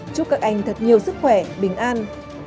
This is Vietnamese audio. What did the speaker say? chúc các anh thật nhiều sức khỏe bình an